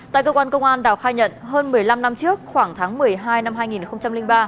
tại cơ quan công an đào khai nhận hơn một mươi năm năm trước khoảng tháng một mươi hai năm hai nghìn ba